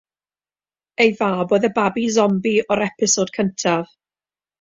Ei fab oedd y babi sombi o'r episod cyntaf.